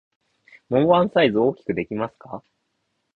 もうワンサイズ大きくできますか？